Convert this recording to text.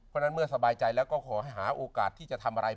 เพราะฉะนั้นเมื่อสบายใจแล้วก็ขอให้หาโอกาสที่จะทำอะไร